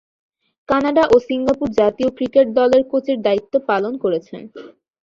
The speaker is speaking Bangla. কানাডা ও সিঙ্গাপুর জাতীয় ক্রিকেট দলের কোচের দায়িত্ব পালন করেছেন।